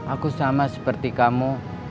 aku sama seperti kamu